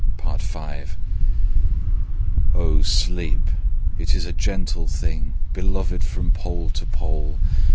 Part V "Oh sleep! it is a gentle thing, Beloved from pole to pole!